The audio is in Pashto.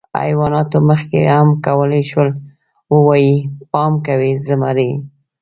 حیواناتو مخکې هم کولی شول، ووایي: «پام کوئ، زمری!».